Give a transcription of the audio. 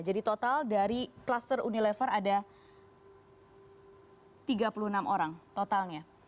jadi total dari kluster unilever ada tiga puluh enam orang totalnya